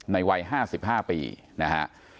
วัย๕๕ปีนะฮะ